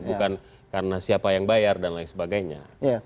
bukan karena siapa yang bayar dan lain sebagainya